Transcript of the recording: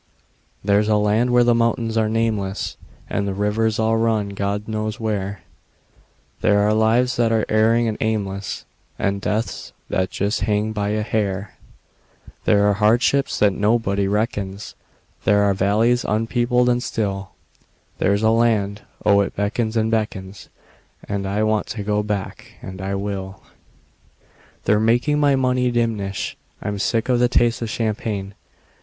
There's a land where the mountains are nameless, And the rivers all run God knows where; There are lives that are erring and aimless, And deaths that just hang by a hair; There are hardships that nobody reckons; There are valleys unpeopled and still; There's a land oh, it beckons and beckons, And I want to go back and I will. They're making my money diminish; I'm sick of the taste of champagne.